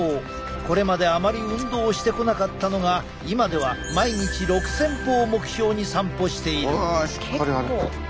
これまであまり運動してこなかったのが今では毎日６，０００歩を目標に散歩している。